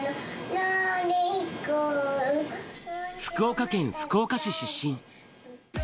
福岡県福岡市出身。